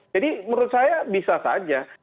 jadi menurut saya bisa saja